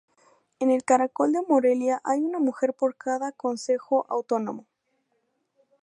En el Caracol de Morelia hay una mujer por cada Concejo Autónomo.